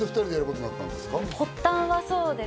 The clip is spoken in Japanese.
発端はそうです。